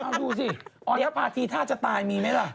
ห้ามดูสิออนอัพพาทธีฐาจะตายมีไหมล่ะ